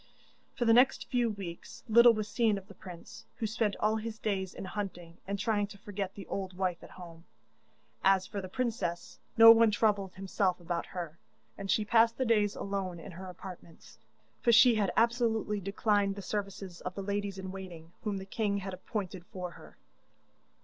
For the next few weeks little was seen of the prince, who spent all his days in hunting, and trying to forget the old wife at home. As for the princess, no one troubled himself about her, and she passed the days alone in her apartments, for she had absolutely declined the services of the ladies in waiting whom the king had appointed for her.